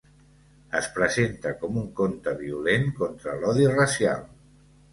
Es presenta com un conte violent contra l'odi racial.